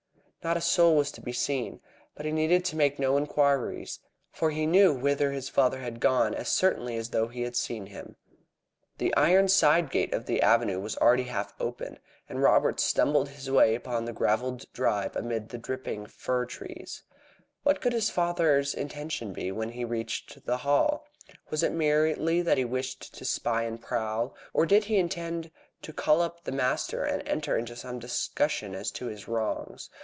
Not a soul was to be seen, but he needed to make no inquiries, for he knew whither his father had gone as certainly as though he had seen him. The iron side gate of the avenue was half open, and Robert stumbled his way up the gravelled drive amid the dripping fir trees. What could his father's intention be when he reached the Hall? Was it merely that he wished to spy and prowl, or did he intend to call up the master and enter into some discussion as to his wrongs?